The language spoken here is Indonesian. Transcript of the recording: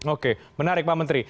oke menarik pak menteri